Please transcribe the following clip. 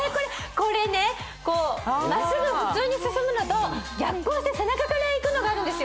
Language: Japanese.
これね真っすぐ普通に進むのと逆行して背中からいくのがあるんですよ。